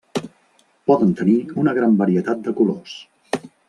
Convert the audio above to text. Poden tenir una gran varietat de colors.